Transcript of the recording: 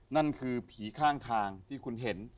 นั่นคือผีข้างทางที่คุณเห็น